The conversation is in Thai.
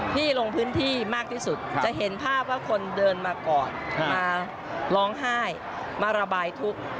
ที่ลงพื้นที่มากที่สุดจะเห็นภาพว่าคนเดินมาก่อนมาร้องไห้มาระบายทุกข์